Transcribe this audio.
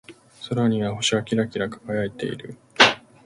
空には星がキラキラ輝いている。